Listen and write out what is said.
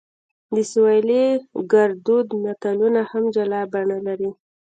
د سویلي ګړدود متلونه هم جلا بڼه لري